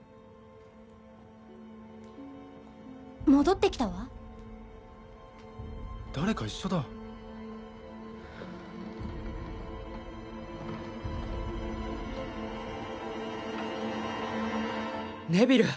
戻ってきたわ誰か一緒だネビル！